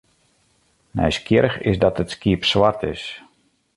Nijsgjirrich is dat it skiep swart is.